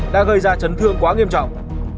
đã gây ra chấn thương quá nghiêm trọng